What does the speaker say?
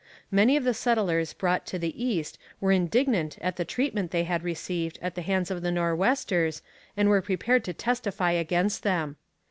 Many of the settlers brought to the east were indignant at the treatment they had received at the hands of the Nor'westers and were prepared to testify against them.